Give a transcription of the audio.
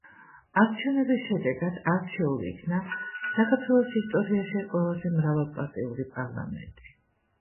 არჩევნების შედეგად არჩეულ იქნა საქართველოს ისტორიაში ყველაზე მრავალპარტიული პარლამენტი.